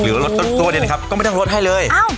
หรือรดต้นตัวเนี่ยนะครับก็ไม่ต้องรดให้เลย